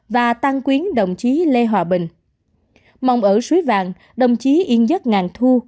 và tang quyến đồng chí lê hòa bình mong ở suối vàng đồng chí yên giấc ngàn thu